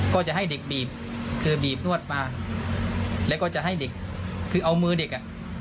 ก็จะให้เด็กบีบคือบีบนวดมาแล้วก็จะให้เด็กคือเอามือเด็กอ่ะ